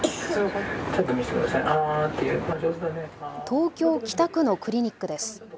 東京北区のクリニックです。